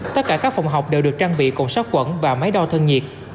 tất cả các phòng học đều được trang bị cổng sóc quẩn và máy đo thân nhiệt